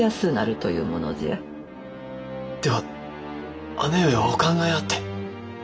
では姉上はお考えあって。